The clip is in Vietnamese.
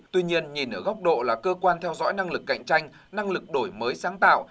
tuy nhiên nhìn ở góc độ là cơ quan theo dõi năng lực cạnh tranh năng lực đổi mới sáng tạo